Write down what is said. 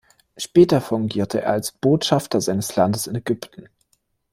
Später fungierte er als Botschafter seines Landes in Ägypten.